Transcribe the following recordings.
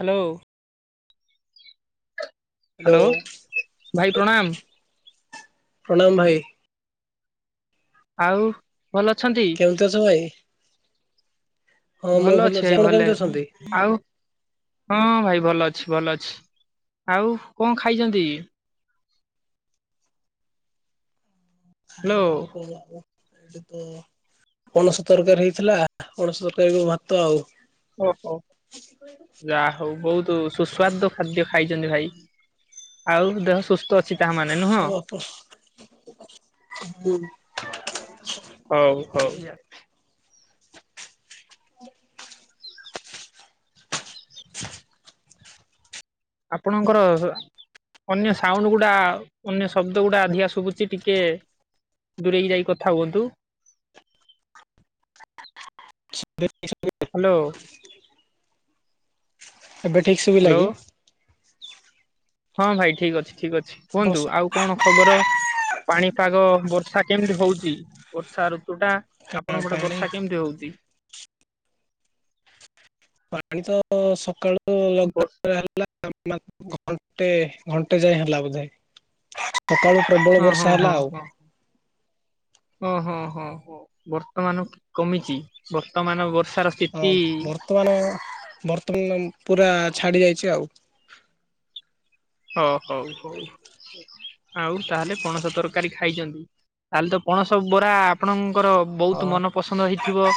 Hello. Hello hello ଭାଇ ପ୍ରଣାମ ପ୍ରଣାମ ଭାଇ। ଆଉ ଭଲ ଅଛନ୍ତି? କେମିତି ଅଛ ଭାଇ? ହଁ ମୁଁ ଭଲ ଅଛି ଆପଣ ଭଲେ କେମିତି ଅଛନ୍ତି? ଆଉ ହଁ ଭାଇ ଭଲ ଅଛି ଭଲ ଅଛି ଆଉ କଣ ଖାଇଛନ୍ତି? ହ୍ୟାଲୋ ଖାଇବା ଆଉ କଣ ହବ। ଏଠି ତ ପଣସ ତରକାରୀ ହେଇଥିଲା ପଣସ ତରକାରୀ କୁ ଭାତ ଆଉ। ଓହୋ। ଯା ହଉ ବହୁତ ସୁସ୍ୱାଦ ଖାଦ୍ୟ ଖାଇଚନ୍ତି ଭାଇ ଆଉ ଦେହ ସୁସ୍ଥ ସୁସ୍ଥ ଅଛି ତା ମାନେ ନୁହଁ? ହୁଁ ହଉ ହଉ [unintelligible] ଆପଣଙ୍କର ଅନ୍ୟ ସାଉଣ୍ଡ ଗୁଡ଼ା ଅନ୍ୟ ଶବ୍ଦ ଗୁଡ଼ା ଅଧିକା ଶୁଭୁଚି ଟିକେ ଦୂରେଇକି ଯାଇ କଥା ହୁଅନ୍ତୁ। [inaudible] ହାଲୋ। ଏବେ ଠିକ୍ ଶୁଭିଲା ହ୍ୟାଲୋ କି? ହଁ ଭାଇ ଠିକ୍ ଅଛି ଠିକ୍ ଅଛି କୁହନ୍ତୁ ଆଉ କଣ ଖବର ପାଣିପାଗ ବର୍ଷା କେମ୍ତି ହଉଚି ବର୍ଷା ଋତୁ ଟା? ଆପଣଙ୍କ ପଟେ ପାଣି ବର୍ଷା କେମ୍ତି ହଉଚି? ପାଣି ତ ସକାଳୁ ହଁ ଲଗା [unintelligible] [unintelligible] ଘଣ୍ଟେ ଘଣ୍ଟେ ଯାଏ ହେଲା ବୋଧେ ସକାଳୁ ପ୍ରବଳ ହଁ ବର୍ଷା ହେଲା ଆଉ। ହଁ-ହଁ-ହଁ ବର୍ତ୍ତମାନ କମିଚି ବର୍ତ୍ତମାନ ବର୍ଷାର ହଁ ସ୍ଥିତି ବର୍ତ୍ତମାନ-ବର୍ତ୍ତମାନ ପୁରା ଛାଡି ଯାଇଛି ଆଉ। ହଁ ହଉ-ହଉ। ଆଉ ତାହେଲେ ପଣସ ତରକାରୀ ଖାଇଚନ୍ତି, ତାହେଲେ ତ ପଣସ ବରା ଆପଣଙ୍କର ବହୁତ୍ ହଁ ମନ ପସନ୍ଦ ହେଇଥିବ।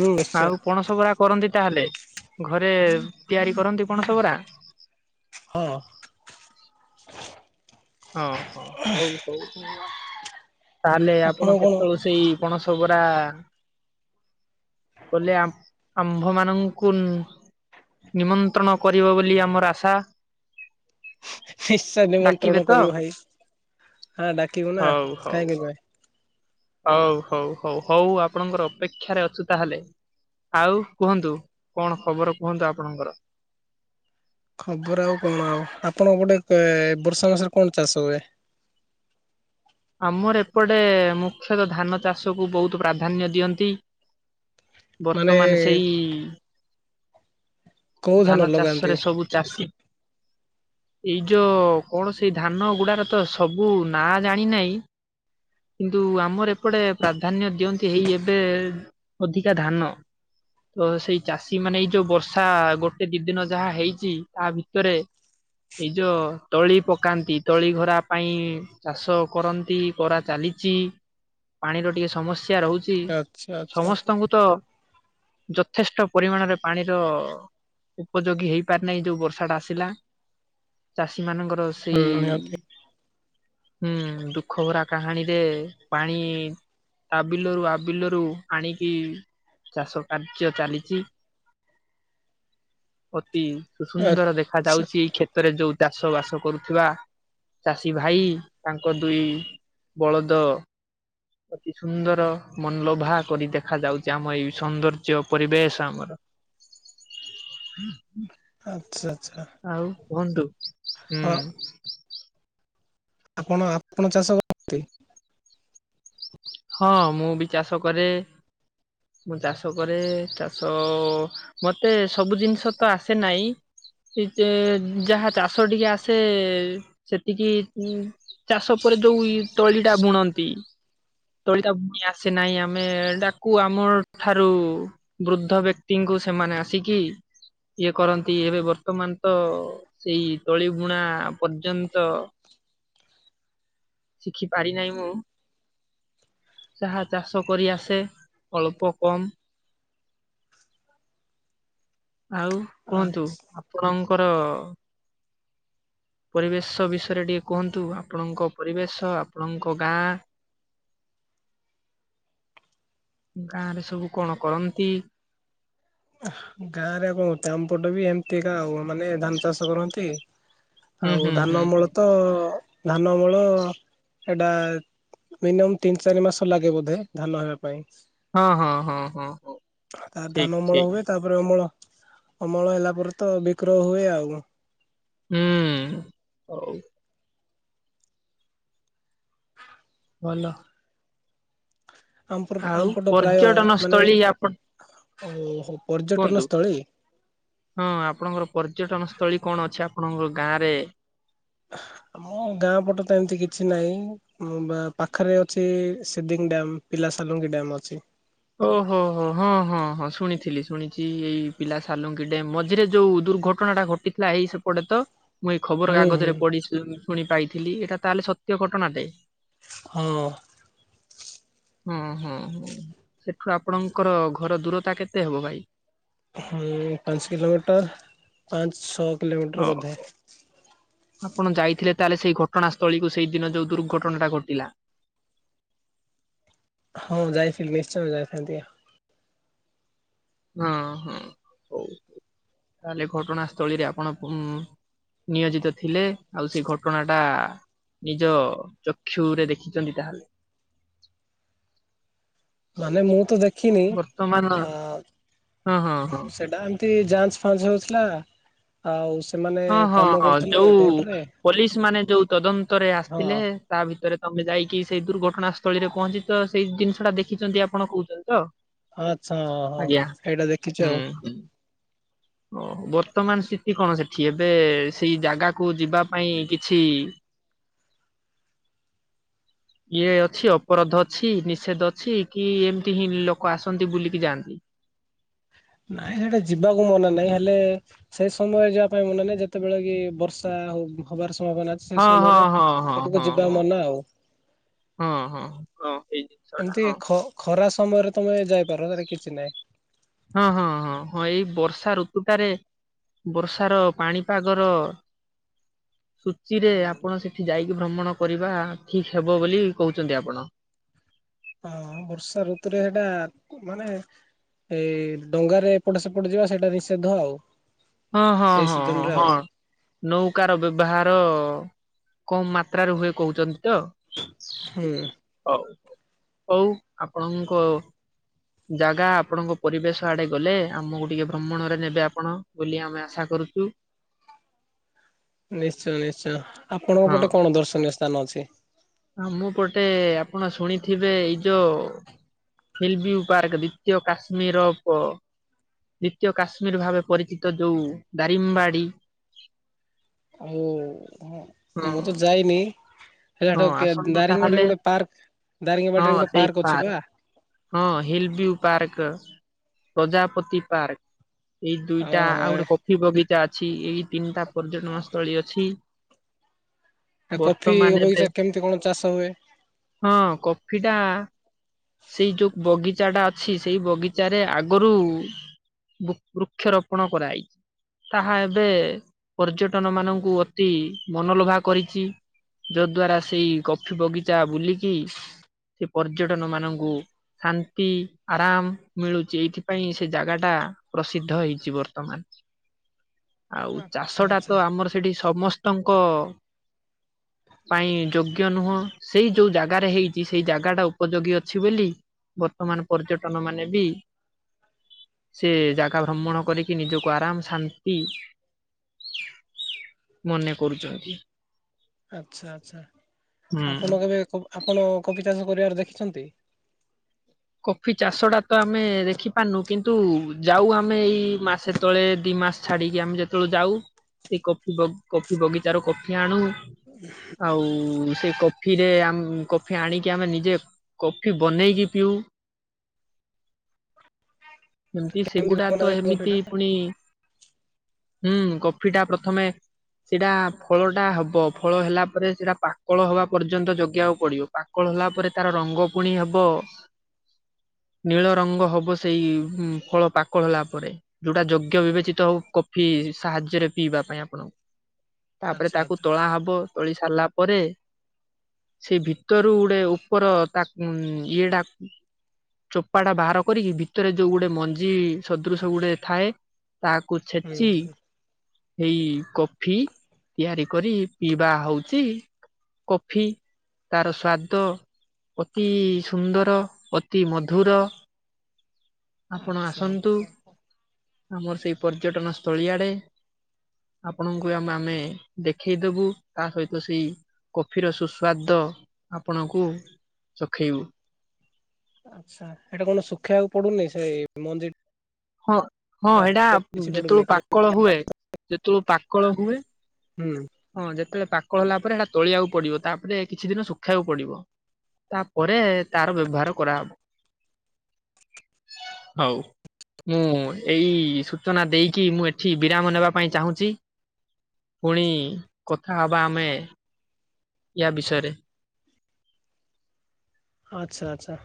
ମୁଁ ନିଶ୍ଚୟ। ପଣସବରା କରନ୍ତି ତାହେଲେ, ଘରେ ତିଆରି କରନ୍ତି ପଣସବରା? ହଁ। ହଁ-ହଁ ହଉ-ହଉ-ହଉ ତାହେଲେ ଆପଣ [unintelligible] ସେଇ ପଣସବରା କଲେ ଆମ୍ଭ ମାନଙ୍କୁ ନିମନ୍ତ୍ରଣ କରିବ ବୋଲି ଆମର ଆଶା। [unintelligible] ଡାକିବେ ନିମନ୍ତ୍ରଣ ତ? କରିବି ଭାଇ ହଁ ଡାକିବୁ ନା କାହିଁକି [unintelligible] ହଉ-ହଉ-ହଉ-ହଉ ଆପଣଙ୍କର ଅପେକ୍ଷାରେ ଅଛୁ ତାହେଲେ। ଆଉ କୁହନ୍ତୁ କଣ ଖବର କୁହନ୍ତୁ ଆପଣଙ୍କର? ଖବର ଆଉ କଣ ଆଉ, ଆପଣଙ୍କ ପଟେ ବର୍ଷା ମାସରେ କଣ ଚାଷ ହୁଏ? ଆମର ଏପଟେ ମୁଖ୍ୟତଃ ଧାନ ଚାଷକୁ ବହୁତ୍ ପ୍ରାଧାନ୍ୟ ଦିଅନ୍ତି। ମାନେ ବର୍ତ୍ତମାନ ସେଇ କୋଉ ଧାନ ଲଗାନ୍ତି? ଚାଷରେ ସବୁ ଚାଷୀ ଏଇ ଯୋଉ କଣ ସେଇ ଧାନ ଗୁଡାର ତ ସବୁ ନାଁ ଜାଣି ନାହିଁ [inaudible] କିନ୍ତୁ ଆମର ଏପଟେ ପ୍ରାଧାନ୍ୟ ଦିଅନ୍ତି ହେଇ ଏବେ ଅଧିକା ଧାନ। ତ ସେଇ ଚାଷୀ ମାନେ ଏଇ ଯୋଉ ବର୍ଷା ଗୋଟେ ଦି ଦିନ ଯାହା ହେଇଚି ତା ଭିତରେ ଏଇ ଯୋଉ ତଳି ପକାନ୍ତି ତଳି ଘରା ପାଇଁ ଚାଷ କରନ୍ତି କରା ଚାଲିଚି ପାଣିର ଟିକେ ସମସ୍ୟା ରହୁ ଚି ଆଚ୍ଛା ଆଚ୍ଛା ସମସ୍ତଙ୍କୁ ତ ଯଥେଷ୍ଟ ପରିମାଣରେ ପାଣିର ଉପଯୋଗୀ ହେଇପାରି ନାହିଁ ଯୋଉ ବର୍ଷା ଟା ଆସିଲା ଚାଷୀ ମାନଙ୍କର ହୁଁ ସେଇ ନିହାତି ହୁଁ ଦୁଃଖ ଭରା କାହାଣୀରେ ପାଣି ତା ବିଲରୁ ଆବିଲରୁ ଆଣିକି ଚାଷ କାର୍ଯ୍ୟ ଚାଲିଚି। [unintelligible] ସୁନ୍ଦର ଆଚ୍ଛା ଦେଖାଯାଉଚି ଏଇ କ୍ଷେ ତରେ ଯୋଉ ଚାଷ ବାସ କରୁଥିବା ଚାଷୀ ଭାଇ ଓ ଦୁଇ ବଳଦ ଅତି ସୁନ୍ଦର ମନଲୋଭା କରି ଦେଖାଯାଉଚି ଆମ ଏଇ ସୌନ୍ଦର୍ଯ୍ୟ ପରିବେଶ ଆମର। ହ ହ [unintelligible] ଆଚ୍ଛା ଆଚ୍ଛା। ଆଉ କୁହନ୍ତୁ ହଁ ହୁଁ ଆପଣ ଆପଣ ଚାଷ କରନ୍ତି? ହଁ ମୁଁ ବି ଚାଷ କରେ ମୁଁ ଚାଷ କରେ ଚାଷ ମତେ ସବୁ ଜିନିଷ ତ ଆସେ ନାହିଁ ଯାହା ଚାଷ ଟିକେ ଆସେ ସେତିକି ଚାଷ ପରେ ଯୋଉ ତଳିଟା ବୁଣନ୍ତି ତୋଳିତା ଭଉଣୀ ଆସେ ନାହିଁ ଆମେ ଡାକୁ ଆମ ଠାରୁ ବୃଦ୍ଧ ବ୍ୟକ୍ତିଙ୍କୁ ସେମାନେ ଆସିକି ଇଏ କରନ୍ତି ଏବେ ବର୍ତ୍ତମାନ ତ ସେଇ ତଳି ବୁଣା ପର୍ଯ୍ୟନ୍ତ ଶିଖି ପାରି ନାହିଁ ମୁଁ ଚାହା ଚାଷ କରି ଆସେ ଅଳ୍ପ କମ୍ ଆଉ କୁହନ୍ତୁ ଆଚ୍ଛା ଆପଣଙ୍କର ପରିବେଶ ବିଷୟରେ ଟିକେ କୁହନ୍ତୁ ଆପଣଙ୍କ ପରିବେଶ ଆପଣଙ୍କ ଗାଁ ଗାଁ ରେ ସବୁ କଣ କରନ୍ତି। ଗାଁରେ କଣ ଆମପଟ ବି ଏମିତିକା ଆଉ ମାନେ ଧାନ ଚାଷ କରନ୍ତି। ହୁଁ ଆଉ ହୁଁ ହୁଁ ଧାନ ଅମଳ ହୁଁ ତ ଧାନ ଅମଳ ଏଇଟା ମିନିମମ୍ ତିନି ଚାରି ମାସ ଲାଗେ ବୋଧେ ଧାନ ହେବା ପାଇଁ। ହଁ ହଁ ହଁ ହଁ ହଁ ତା ଧାନ ଠିକ୍। ଅମଳ ହୁଏ ତାପରେ ଅମଳ ଅମଳ ହେଲା ପରେ ତ ବିକ୍ରୟ ହୁଏ ଆଉ କଣ। ହୁଁ ହଉ। ଭଲ। ଆମପଟ ଆଉ ଆମପଟ ପ୍ରାୟ ପର୍ଯ୍ୟଟନ ମାନେ ସ୍ଥଳୀ ଆପଣ ଓ କୁହନ୍ତୁ। ପର୍ଯ୍ୟଟନ ସ୍ଥଳୀ ହଁ ଆପଣଙ୍କର ପର୍ଯ୍ୟଟନ ସ୍ଥଳୀ କଣ ଅଛି ଆପଣଙ୍କ ଗାଁରେ? ଆମ ଗାଁ ପଟ ତ ଏମତି କିଛି ନାହିଁ। ମୁଁ ବା ପାଖରେ ଅଛି ସିଦିଙ୍ଗ ଡ୍ୟାମ୍ ପିଲାସଲୁଙ୍ଗି ଡ୍ୟାମ୍ ଅଛି। ଓହୋ ହୋ ହୋ ହଁ ହଁ। ହଁ ହଁ ଶୁଣିଥିଲି ଶୁଣିଛି ଏଇ ପିଲା ସାଲୁଙ୍କି ଡ୍ୟାମ୍ ମଝିରେ ଯୋଉ ଦୁର୍ଘଟଣା ଟା ଘଟିଥିଲା ଏଇ ସେପଟେ ତ ମୁଁ ଏଇ ଖବର ହୁଁ ହୁଁ। କାଗଜରେ ପଡି ଶୁଣି ପାଇଥିଲି ଏଇଟା ତାହେଲେ ସତ୍ୟ ଘଟଣାଟେ ହଁ। ହଁ ହଁ ହଁ ସେଠୁ ଆପଣଙ୍କର ଘର ଦୂରତା କେତେ ହବ ଭାଇ? ହଁ ପାଞ୍ଚ କିଲୋମିଟର ପାଞ୍ଚ ଛଅ କିଲୋମିଟର ବୋଧେ। ଓହୋ ଆପଣ ଯାଇଥିଲେ ତାହେଲେ ସେଇ ଘଟଣାସ୍ଥଳୀ କୁ ସେଇଦିନ ଯୋଉ ଦୁର୍ଘଟଣାଟା ଘଟିଲା। ହଁ ଯାଇଥିଲି ନିଶ୍ଚୟ ଯାଇଥାନ୍ତି ଆ ହଁ ହଁ ହଉ ତାହେଲେ ଘଟଣାସ୍ଥଳୀରେ ଆପଣ କଣ ନିୟୋଜିତ ଥିଲେ ଆଉ ସେ ଘଟଣା ଟା ନିଜ ଚକ୍ଷୁରେ ଦେଖିଛନ୍ତି ତାହେଲେ। ମାନେ ମୁଁ ତ ଦେଖିନି ବର୍ତ୍ତମାନ ଆ ହଁ ହଁ ହଁ ସେଟା ଏମ୍ ଏମତି ଯାଞ୍ଚ ଫାଞ୍ଚ ହେଉଥିଲା ଆଉ ସେମାନେ ହଁ ହଁ ହଁ କରୁଥିଲେ ଯୋଉ ବୋଟରେ ପୋଲିସ ମାନେ ଯୋଉ ତଦନ୍ତରେ ହଁ ଆସିଥିଲେ। ତା ଭିତରେ ତମେ ଯାଇକି ସେଇ ଦୁର୍ଘଟଣା ସ୍ଥଳୀରେ ପହଞ୍ଚି ତ ସେଇ ଜିନିଷ ଟା ଦେଖିଛନ୍ତି ଆପଣ କହୁଛନ୍ତି ତ? ଆଚ୍ଛା ହଁ ହଁ ଆଜ୍ଞା ଏଇଟା ଦେଖିଛୁ ଆଉ। ଓ ବର୍ତ୍ତମାନ ସ୍ଥିତି କଣ ସେଠି? ଏବେ ସେଇ ଜାଗାକୁ ଯିବା ପାଇଁ କିଛି [inaudible] ଇଏ ଅଛି ଅପରାଧ ଅଛି ନିଷେଧ ଅଛି କି ଏମିତି ହିଁ ଲୋକ ଆସନ୍ତି ବୁଲିକି ଯାଆନ୍ତି। ନାଇଁ ସେଇଟା ଯିବାକୁ ମନା ନାଇଁ ହେଲେ ସେଇ ସମୟ ଯିବା ପାଇଁ ମନା ନାହିଁ ଯେତେବେଳେ କି ବର୍ଷା ହ ହବାର ସମ୍ଭାବନା। ସେ ହଁ ହଁ ସମୟରେ ହଁ ହଁ ସେଠିକୁ ହଁ ଯିବା ହଁ। ମନା ଆଉ। ହଁ ହଁ ହଁ ହେଇ। ଏମିତି ଖ ଖରା ସମୟରେ ତମେ ଯାଇପାର ସେଟା କିଛି ନାହିଁ। ହଁ ହଁ ହଁ ହଁ ଏଇ ବର୍ଷା ଋତୁଟାରେ ବର୍ଷାର ପାଣିପାଗର ସୂଚୀରେ ଆପଣ ସେଠି ଯାଇକି ଭ୍ରମଣ କରିବା ଠିକ ହବ ବୋଲି କହୁଛନ୍ତି ଆପଣ। ହଁ ବର୍ଷା ଋତୁରେ ହେଟା ମାନେ ଏଇ ଡଙ୍ଗାରେ ଏପଟ ସେପଟ ଯିବା ସେଇଟା ନିଷେଧ ଆଉ। ହଁ ହଁ ଏଇ ହଁ ସିଜନ ହଁ ରେ ଆଉ ହଁ। ନୌକାର ର ବ୍ୟବହାର କମ ମାତ୍ରାରେ ହୁଏ କହୁଛନ୍ତି ତ? ହୁଁ। ହଉ ହଉ ଆପଣଙ୍କ ଜାଗା ଆପଣଙ୍କ ପରିବେଶ ଆଡେ ଗଲେ ଆମକୁ ଟିକେ ଭ୍ରମଣରେ ନେବେ ଆପଣ ବୋଲି ଆମେ ଆଶା କରୁଚୁ। ନିଶ୍ଚୟ ନିଶ୍ଚୟ ଆପଣଙ୍କ ହଁ ପଟେ କଣ ଦର୍ଶନୀୟ ସ୍ଥାନ ଅଛି? ଆମ ପଟେ ଆପଣ ଶୁଣିଥିବେ ଏଇ ଯୋଉ [unintelligible] ପାର୍କ ଦ୍ଵିତୀୟ କାଶ୍ମୀର ବ ଦ୍ୱିତୀୟ କାଶ୍ମୀର ଭାବେ ପରିଚିତ ଯୋଉ ଦାରିମ୍ବାଡ଼ି। ଆଉ ହଁ ମୁଁ ତ ଯାଇନି। ହଁ ହେଟ ଆସନ୍ତୁ ଦାରିଙ୍ଗବାଡି ରେ ତାହେଲେ ଗୋଟେ ପାର୍କ ହଁ ଦାରିଙ୍ଗବାଡି ରେ ଗୋଟେ ସେଇ ପାର୍କ ଅଛି ପା? ହଁ ହିଲ୍ ବୁ ପାର୍କ ପ୍ରଜାପତି ପାର୍କ। ଏଇ ଦୁଇଟା ଓହୋ ଆଉ ଗୋଟେ କଫି ବଗିଚା ଅଛି ଏଇ ତିନିଟା ପର୍ଯ୍ୟଟନ ସ୍ଥଳୀ ଅଛି। ଛି ଏ କଫି ବଗିଚା କେମିତି କଣ ଚାଷ ହୁଏ? ହଁ କଫି ଟା। ସେଇ ଯୋଉ ବଗିଚା ଟା ଅଛି ସେଇ ବଗିଚାରେରେ ଆଗରୁ ବୃ ବୃକ୍ଷରୋପଣ କରାଇ ତାହା ଏବେ ପର୍ଯ୍ୟଟନ ମାନଙ୍କୁ ଅତି ମନଲୋଭା କରିଚି। ଯଦ୍ଵାରା ସେଇ କଫି ବଗିଚା ବୁଲିକି ସେ ପର୍ଯ୍ୟଟନ ମାନଙ୍କୁ ଶାନ୍ତି ଆରାମ ମିଳୁଛି ଏଇଥିପାଇଁ ସେ ଜାଗାଟା ପ୍ରସିଦ୍ଧ ହେଇଛି ବର୍ତ୍ତମାନ। ଆଉ ଆଚ୍ଛା ଚାଷ ଟା ଆଚ୍ଛା ତ ଆମର ସେଠି ସମସ୍ତଙ୍କ ପାଇଁ ଯୋଗ୍ୟ ନୁହଁ ସେଇ ଯୋଉ ଜାଗାରେ ହେଇଛି ସେଇ ଜାଗା ଟା ଉପଯୋଗ୍ୟ। ଅଛି ବୋଲି ବର୍ତ୍ତମାନ ପର୍ଯ୍ୟଟନ ମାନେ ବି ସେ ଜାଗା ଭ୍ରମଣ କରିକି ନିଜକୁ ଆରାମ ଶାନ୍ତି ମନେ କରୁଛନ୍ତି ଆଚ୍ଛା ଆଚ୍ଛା ଆପଣ ହୁଁ। କେବେ ଆପଣ କଫି ଚାଷ କରିବାର ଦେଖିଛନ୍ତି? କଫି ଚାଷ ଟା ତ ଆମେ ଦେଖିପାରୁନୁ କିନ୍ତୁ ଯାଉ ଆମେ ଏଇ ମାସେ ତଳେ ଦି ମାସ୍ ଛାଡିକି ଆମେ ଯେତେବେଳେ ଯାଉ ସେ କଫି କଫି କଫିବଗିଚା ରୁ କଫି ଆଣୁ। ଆଉ ସେ କଫିରେ ଆମ୍ କଫି ଆଣିକି ଆମେ ନିଜେ କଫି ବନେଇକି ପିଉ। ଏମିତି କେମିତି ସେଗୁଡା ତ ବନାଯାଏ ଏମିତି କଫିଟା ପୁଣି ହୁଁ କଫି ଟା ପ୍ରଥମେ ସେଟା ଫଳଟା ହବ ଫଳ ହେଲା ପରେ ସେଟା ପାକଳ ହବା ପର୍ଯ୍ୟନ୍ତ ଜଗିବାକୁ ପଡ଼ିବ। ପାକଳ ହେଲା ପରେ ତାର ରଙ୍ଗ ପୁଣି ହବ ନୀଳ ରଙ୍ଗ ହବ ସେଇ ହୁଁ ଫଳ ପାକଳ ହେଲା ପରେ ଯୋଉଟା ଯୋଗ୍ୟ ବିବେଚିତ ଆଉ କଫି ସାହାଯ୍ୟରେ ପିଇବା ପାଇଁ ଆପଣଙ୍କୁ। ତା ପରେ ଆଚ୍ଛା ତାକୁ ଆଚ୍ଛା ତୋଳା ହବ। ତୋଳି ସାରିଲା ପରେ ସେଇ ଭିତରୁ ଗୁଟେ ଉପର ତାକ୍ ଉଁ ଇଏ ଟା ଚୋପାଟା ବାହାର କରିକି ଭିତରେ ଯୋଉ ଗୋଟେ ମଞ୍ଜି ସଦୃଶ ଗୁଟେ ଥାଏ। ତାଆକୁ ହୁଁ ଛେଚି ହୁଁ ଏଇ କଫି ତିଆରି କରି ପିଇବା ହଉଛି କଫି ତାର ସ୍ୱାଦ ଅତି ସୁନ୍ଦର। ଅତି ମଧୁର ଆପଣ ଆଚ୍ଛା ଆସନ୍ତୁ। ଆଚ୍ଛା। ଆମର ସେଇ ପର୍ଯ୍ୟଟନ ସ୍ଥଳୀ ଆଡ଼େ। ଆପଣଙ୍କୁ ଆମେ-ଆମେ ଦେଖେଇଦବୁ ତା ସଇତ ସେଇ କଫିର ସୁସ୍ୱାଦ ଆପଣଙ୍କୁ ଚଖେଇବୁ। ଆଚ୍ଛା। ଏଇଟା ତା ହେଲେ ଶୁଖେଇବାକୁ ପଡ଼ୁନି। ସେ ମଞ୍ଜି ହଁ ହଁ ଟା ହେଟା ଶୁଖେଇବାକୁ କିଛି ପଡୁନି ଯେତଳୁ ଖାଲି ପାକଳ ହୁଏ, ଯେତେଳୁ ପାକଳ ହୁଏ ହୁଁ। ହଁ ଯେତେବେଳେ ପାକଳ ହେଲା ପରେ ସେଟା ତୋଳିବାକୁ ପଡିବ। ତା ପରେ କିଛି ଦିନ ଶୁଖବାକୁ ପଡ଼ିବ। ତାପରେ ତାର ବ୍ୟବହାର କରାହବ। ହଉ। ମୁଁ ଏଇ ସୂଚନା ଦେଇକି, ମୁଁ ଏଠି ବିରାମ ନେବା ପାଇଁ ଚାହୁଁଚି। ପୁଣି କଥା ହବା ଆମେ ୟା ବିଷୟରେ। ଆଚ୍ଛା। ଆଚ୍ଛା।